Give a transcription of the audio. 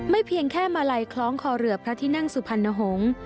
เพียงแค่มาลัยคล้องคอเรือพระที่นั่งสุพรรณหงษ์